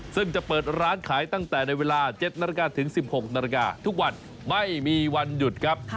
ซึ่งจะเปิดร้านขายตั้งแต่ในเวลา๗๑๖นทุกวันไม่มีวันหยุดครับ